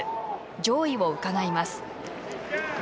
上位をうかがいます。